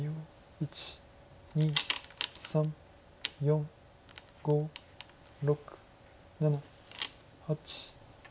１２３４５６７８。